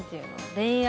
恋愛？